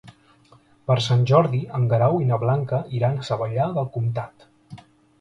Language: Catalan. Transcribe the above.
Per Sant Jordi en Guerau i na Blanca iran a Savallà del Comtat.